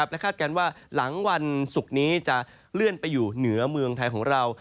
และคาดการณ์ว่าหลังวันศุกร์นี้จะเลื่อนไปอยู่เหนือเมืองไทยของเรา